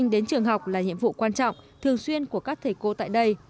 đến trường học là nhiệm vụ quan trọng thường xuyên của các thầy cô tại đây